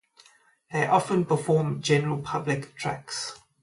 They often perform General Public tracks.